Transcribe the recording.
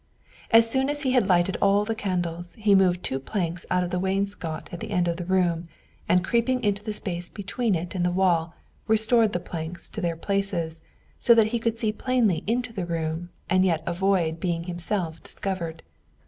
As soon as he had lighted all the candles, he moved two planks out of the wainscot at the end of the room, and creeping into the space between it and the wall, restored the planks to their places, so that he could see plainly into the room and yet avoid being himself discovered.